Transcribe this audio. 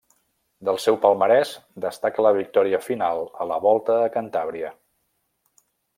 Del seu palmarès destaca la victòria final a la Volta a Cantàbria.